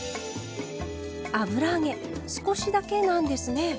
油揚げ少しだけなんですね。